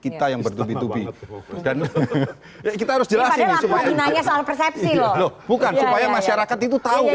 kita yang bertubi tubi dan kita harus jelasin supaya persepsi loh bukan supaya masyarakat itu tahu